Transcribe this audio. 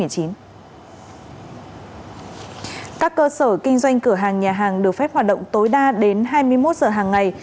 các cơ sở kinh doanh cửa hàng nhà hàng được phép hoạt động tối đa đến hai mươi một giờ hàng ngày